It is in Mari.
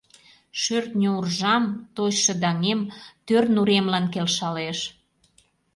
Шӧртньӧ уржам, той шыдаҥем Тӧр нуремлан келшалеш.